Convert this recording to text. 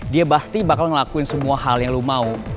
dia pasti bakal ngelakuin semua hal yang lu mau